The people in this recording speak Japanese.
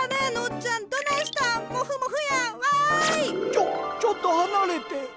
ちょちょっと離れて。